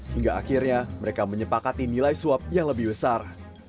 hingga akhirnya mereka menyepakati nilai suap yang lebih besar